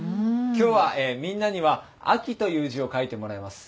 今日はみんなには「あき」という字を書いてもらいます。